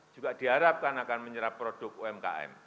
juga diharapkan akan menyerap produk umkm